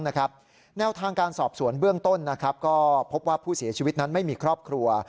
แนวทางการสอบสวนเบื้องต้นก็พบว่าผู้เสียชีวิตนั้นไม่มีครอบครัว